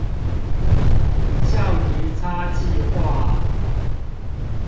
橡皮擦計畫